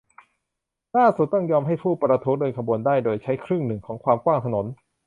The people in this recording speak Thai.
ล่าสุดต้องยอมให้ผู้ประท้วงเดินขบวนได้โดยใช้ครึ่งหนึ่งของความกว้างถนน